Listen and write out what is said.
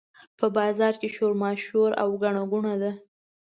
په بازار کې شورماشور او ګڼه ګوڼه ده.